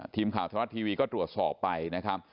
ทีมข่าวธรรมรัฐทีวีก็ตรวจสอบไปนะครับ